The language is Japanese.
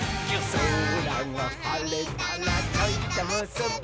「そらがはれたらちょいとむすび」